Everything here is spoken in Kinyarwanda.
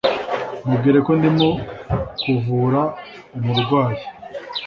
Mubwire ko ndimo kuvura umurwayi.